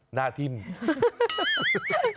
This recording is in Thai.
หน้าทิ้ง